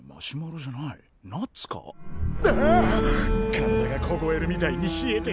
体がこごえるみたいに冷えてく。